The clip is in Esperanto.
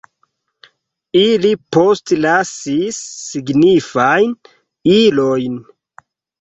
Ili postlasis signifajn ilojn.